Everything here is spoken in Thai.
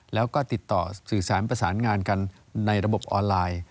แล้วก็ติดต่อสื่อสารประสานงานกันในระบบออนไลน์